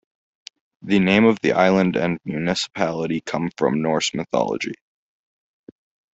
The name of the island and municipality come from Norse mythology.